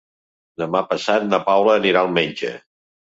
Demà passat na Paula anirà al metge.